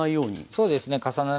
そうですね。